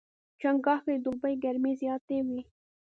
چنګاښ کې د دوبي ګرمۍ زیاتې وي.